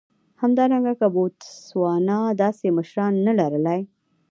همدارنګه که بوتسوانا داسې مشران نه لر لای.